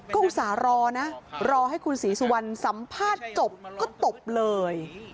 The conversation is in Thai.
ก็อุตส่าห์รอนะรอให้คุณศรีสุวรรณสัมภาษณ์จบก็ตบเลย